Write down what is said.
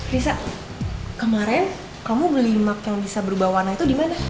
risa kemarin kamu beli map yang bisa berubah warna itu dimana